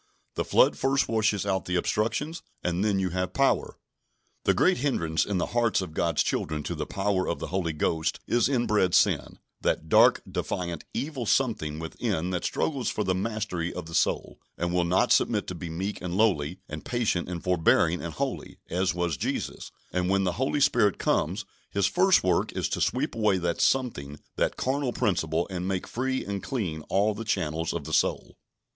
The flood first washes out the obstructions, and then you have power. The great hindrance in the hearts of God's children to the power of the Holy Ghost is inbred sin that dark, defiant, evil something within that struggles for the mastery of the soul, and will not submit to be meek and lowly, and patient and forbearing and holy, as was Jesus; and when the Holy Spirit comes, His first work is to sweep away that something, that carnal principle, and make free and clean all the channels of the soul.